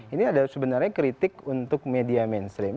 ini ada sebenarnya kritik untuk media mainstream